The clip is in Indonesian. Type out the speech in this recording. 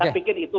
saya pikir itu